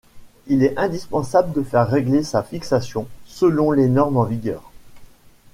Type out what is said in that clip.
Il est indispensable de faire régler sa fixation selon les normes en vigueur.